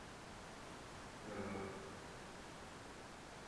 Analýza říční sítě ukazuje na někdejší intenzivní zlomové pohyby.